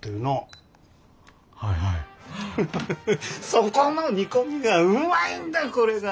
そこの煮込みがうまいんだこれが！